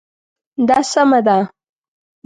دا سمه ده